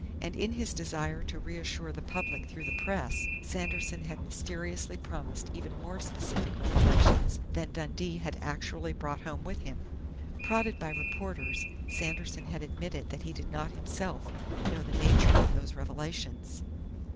And in his desire to reassure the public through the press, Sanderson had mysteriously promised even more specific revelations than Dundee had actually brought home with him. Prodded by reporters, Sanderson had admitted that he did not himself know the nature of those revelations.